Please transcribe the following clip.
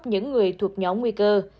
những người thuộc nhóm nguy cơ